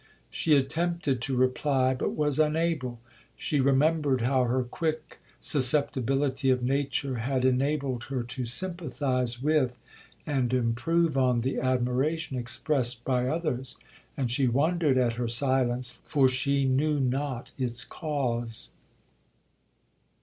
She attempted to reply, but was unable,—she remembered how her quick susceptibility of nature had enabled her to sympathize with and improve on the admiration expressed by others, and she wondered at her silence, for she knew not its cause.